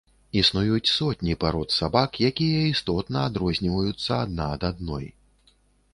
Існуюць сотні парод сабак, якія істотна адрозніваюцца адна ад адной.